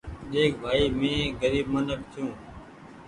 ۮيک ڀآئي مينٚ غريب منک ڇوٚنٚ